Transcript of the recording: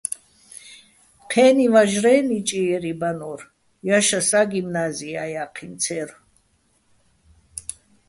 ჴე́ნი ვაჟრე́ ნიჭიერი ბანო́რ, ჲაშასა́ გიმნაზია́ ჲა́ჴიჼ ცე́რ.